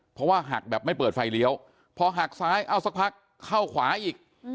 เพราะว่าหักแบบไม่เปิดไฟเลี้ยวพอหักซ้ายเอ้าสักพักเข้าขวาอีก